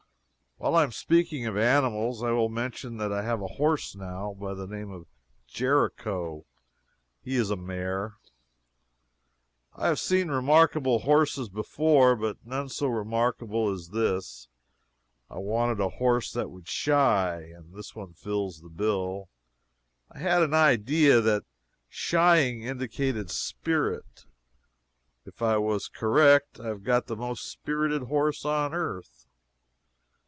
While I am speaking of animals, I will mention that I have a horse now by the name of "Jericho." He is a mare. I have seen remarkable horses before, but none so remarkable as this. I wanted a horse that could shy, and this one fills the bill. I had an idea that shying indicated spirit. If I was correct, I have got the most spirited horse on earth.